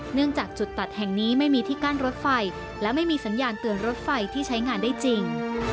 จากจุดตัดแห่งนี้ไม่มีที่กั้นรถไฟและไม่มีสัญญาณเตือนรถไฟที่ใช้งานได้จริง